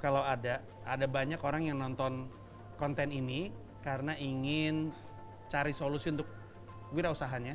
kalau ada ada banyak orang yang nonton konten ini karena ingin cari solusi untuk wira usahanya